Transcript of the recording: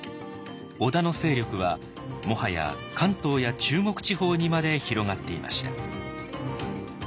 織田の勢力はもはや関東や中国地方にまで広がっていました。